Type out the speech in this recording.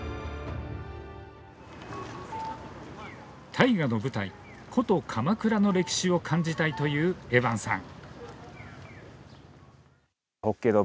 大河の舞台古都・鎌倉の歴史を感じたいというエバンさん。